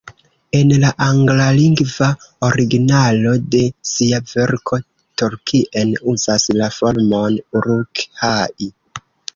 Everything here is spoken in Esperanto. En la anglalingva originalo de sia verko Tolkien uzas la formon "uruk-hai".